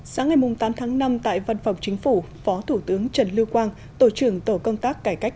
sáng ngày tám tháng năm tại văn phòng chính phủ phó thủ tướng trần lưu quang tổ trưởng tổ công tác cải cách